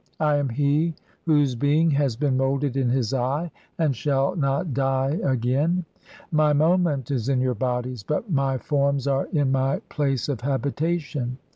I am he whose being has been moulded in his eve, "and I shall not die again. My moment is in your bodies, but "my (21) forms are in my place of habitation.